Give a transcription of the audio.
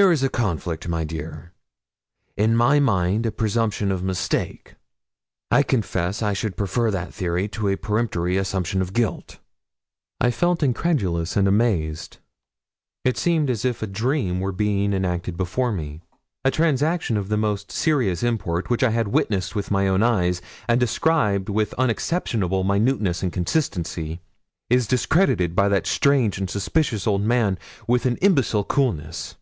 Here is a conflict, my dear in my mind a presumption of mistake. I confess I should prefer that theory to a peremptory assumption of guilt.' I felt incredulous and amazed; it seemed as if a dream were being enacted before me. A transaction of the most serious import, which I had witnessed with my own eyes, and described with unexceptionable minuteness and consistency, is discredited by that strange and suspicious old man with an imbecile coolness.